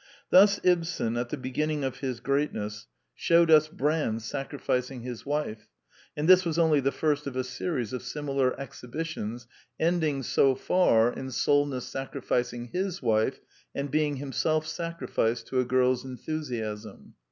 Thus Ibsen, at the beginning of his greatness. The Last Four Plays 147 shewed us Brand sacrificing his wife; and this was only the first of a series of similar exhibi tions, ending, so far, in Solness sacrificing his wife and being himself sacrificed to a girl's enthusiasm.